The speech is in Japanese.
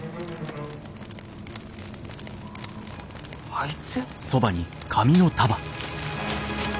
あいつ。